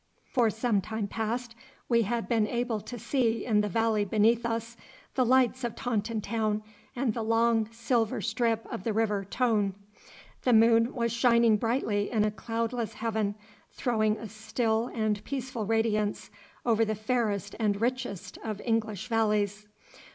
For some time past we had been able to see in the valley beneath us the lights of Taunton town and the long silver strip of the river Tone. The moon was shining brightly in a cloudless heaven, throwing a still and peaceful radiance over the fairest and richest of English valleys.